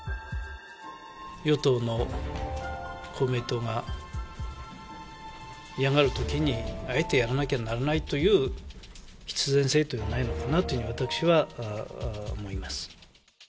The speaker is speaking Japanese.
与党の公明党が嫌がるときに、あえてやらなきゃならないという必然性というのはないのかなというふうに、私は思います。